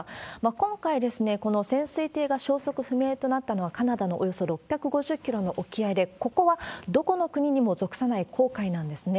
今回、この潜水艇が消息不明となったのはカナダのおよそ６５０キロの沖合で、ここはどこの国にも属さない黄海なんですね。